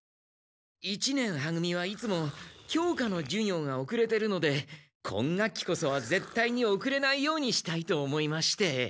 一年は組はいつも教科の授業がおくれてるので今学期こそはぜったいにおくれないようにしたいと思いまして。